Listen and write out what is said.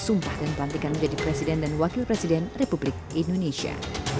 sumpah dan pelantikan menjadi presiden dan wakil presiden republik indonesia